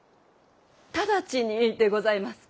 直ちにでございますか？